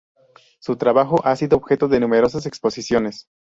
Su trabajo ha sido objeto de numerosas exposiciones.